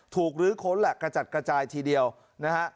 ลื้อค้นแหละกระจัดกระจายทีเดียวนะฮะ